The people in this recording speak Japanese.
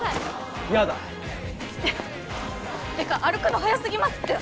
やだ！ってか歩くの速すぎますって。